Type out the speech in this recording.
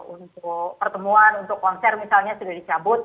untuk pertemuan untuk konser misalnya sudah dicabut